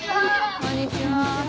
こんにちは。